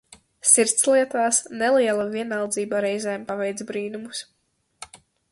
Sirdslietās neliela vienaldzība reizēm paveic brīnumus!